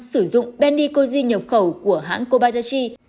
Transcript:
sử dụng benicoji nhập khẩu của hãng kobayashi